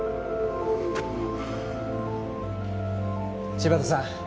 柴田さん